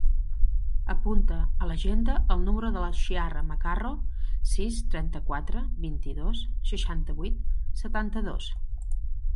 Apunta a l'agenda el número de la Chiara Macarro: sis, trenta-quatre, vint-i-dos, seixanta-vuit, setanta-dos.